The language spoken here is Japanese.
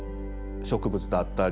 植物だったり